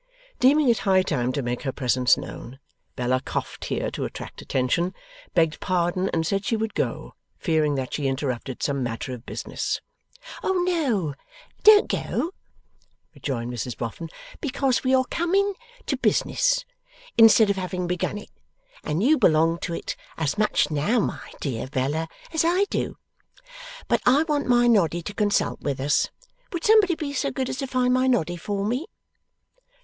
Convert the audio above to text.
Deeming it high time to make her presence known, Bella coughed here to attract attention, begged pardon, and said she would go, fearing that she interrupted some matter of business. 'No, don't go,' rejoined Mrs Boffin, 'because we are coming to business, instead of having begun it, and you belong to it as much now, my dear Bella, as I do. But I want my Noddy to consult with us. Would somebody be so good as find my Noddy for me?